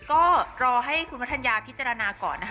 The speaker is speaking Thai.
ก็รอให้คุณวัฒนยาพิจารณาก่อนนะคะ